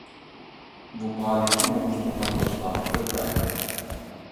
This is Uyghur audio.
بۇ پائالىيەتنى ئۇيۇشتۇرغان دوستلارغا كۆپ رەھمەت.